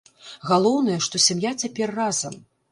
Галоўнае, што сям'я цяпер разам.